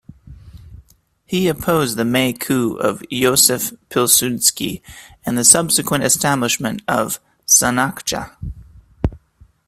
He opposed the May Coup of Józef Piłsudski and the subsequent establishment of "Sanacja".